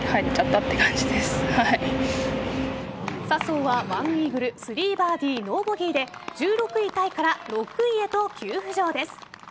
笹生は１イーグル３バーディーノーボギーで１６位タイから６位へと急浮上です。